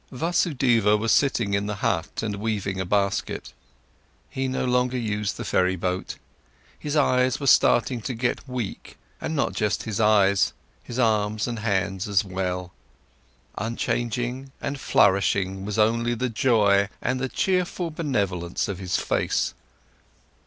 Vasudeva was sitting in the hut and weaving a basket. He no longer used the ferry boat, his eyes were starting to get weak, and not just his eyes; his arms and hands as well. Unchanged and flourishing was only the joy and the cheerful benevolence of his face.